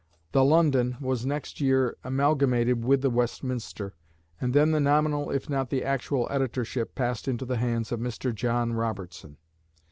"The London" was next year amalgamated with "The Westminster," and then the nominal if not the actual editorship passed into the hands of Mr. John Robertson.